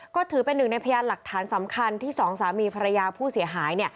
ก็ถือเป็นหนึ่งในพยานหลักฐานสำคัญที่สองสามีภรรยาผู้เสียหาย